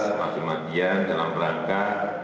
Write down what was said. semakin semanjan dalam rangka